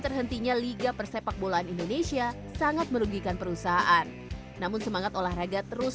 terhentinya liga persepak bolaan indonesia sangat merugikan perusahaan namun semangat olahraga terus